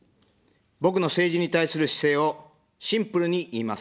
僕の政治に対する姿勢をシンプルに言います。